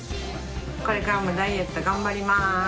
これからもダイエット頑張ります。